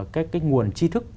cái nguồn chi thức